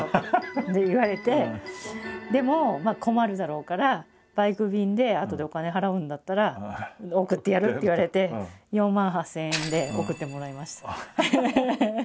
「でも困るだろうからバイク便であとでお金払うんだったら送ってやる」って言われて４万８，０００円で送ってもらいました。